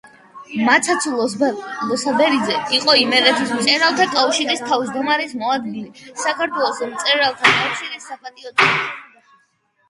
მაცაცო ლოსაბერიძე იყო იმერეთის მწერალთა კავშირის თავმჯდომარის მოადგილე, საქართველოს მწერალთა კავშირის საპატიო წევრი.